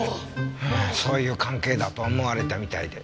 そういう関係だと思われたみたいで。